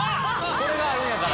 これがあるんやから。